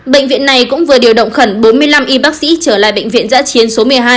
bệnh viện này cũng vừa điều động khẩn bốn mươi năm y bác sĩ trở lại bệnh viện giã chiến số một mươi hai